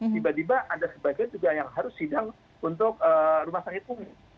tiba tiba ada sebagian juga yang harus sidang untuk rumah sakit umum